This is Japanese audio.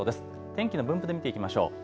天気の分布で見ていきましょう。